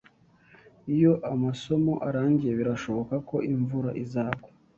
Iyo amasomo arangiye, birashoboka ko imvura izagwa